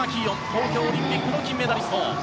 東京オリンピック金メダリスト。